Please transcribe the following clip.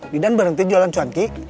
didan berhenti jualan cuanki